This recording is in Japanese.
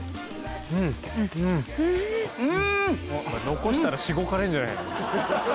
残したらしごかれるんじゃないの？